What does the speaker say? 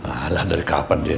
alah dari kapan dia